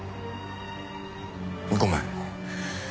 ごめん。